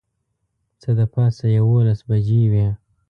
څه د پاسه یوولس بجې وې.